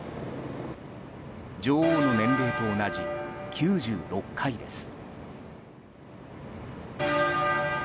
女王の年齢と同じ９６回です。